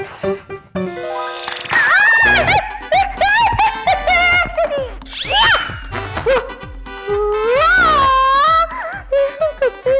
aku mau pergi dulu